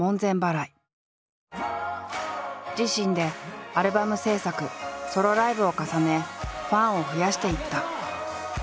自身でアルバム制作ソロライブを重ねファンを増やしていった。